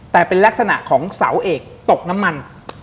แต่เป็นลักษณะของเสาเอกตกน้ำมัน